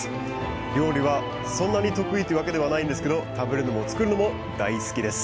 料理は、そんなに得意というわけではないんですけど食べるのも作るのも大好きです。